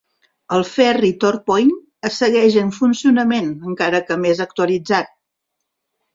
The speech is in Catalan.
El ferri Torpoint segueix en funcionament, encara que més actualitzat.